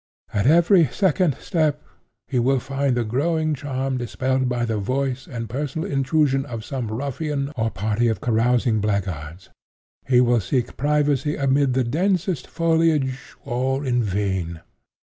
At every second step, he will find the growing charm dispelled by the voice and personal intrusion of some ruffian or party of carousing blackguards. He will seek privacy amid the densest foliage, all in vain.